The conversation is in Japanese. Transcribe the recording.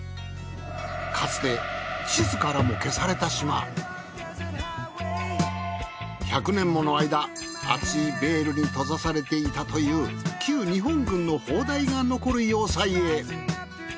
かつて１００年もの間厚いベールに閉ざされていたという旧日本軍の砲台が残る要塞へ。